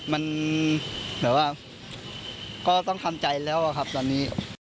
มันก็ต้องทำใจแล้วครับตอนนี้